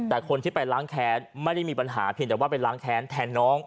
แต่คนที่ไปล้างแค้นไม่ได้มีปัญหาเพียงแต่ว่าไปล้างแค้นแทนน้อง